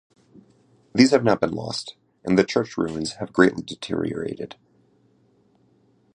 These have now been lost and the church ruins have greatly deteriorated.